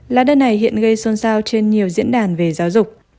lá đơn này hiện gây xôn xao trên nhiều diễn đàn về giáo dục